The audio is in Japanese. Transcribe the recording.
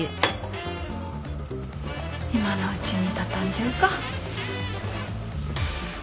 今のうちに畳んじゃうか。